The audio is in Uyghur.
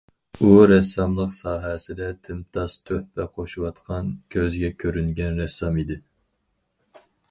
ئۇ رەسساملىق ساھەسىدە تىمتاس تۆھپە قوشۇۋاتقان كۆزگە كۆرۈنگەن رەسسام ئىدى.